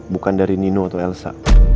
bukan dari nino atau elsa